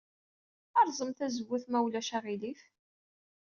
Rẓem tazewwut, ma ulac aɣilif.